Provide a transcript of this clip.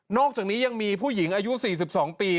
อกจากนี้ยังมีผู้หญิงอายุ๔๒ปี